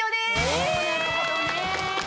おなるほどねぇ。